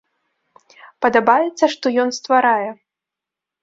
Падабаецца, што ён стварае.